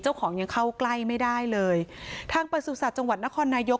เจ้าของยังเข้าใกล้ไม่ได้เลยทางประสุทธิ์จังหวัดนครนายก